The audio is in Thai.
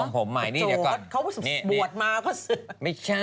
งั้นดัดผม